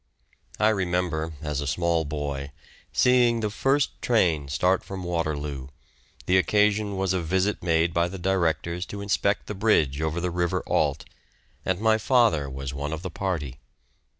I remember, as a small boy, seeing the first train start from Waterloo; the occasion was a visit made by the directors to inspect the bridge over the river Alt, and my father was one of the party.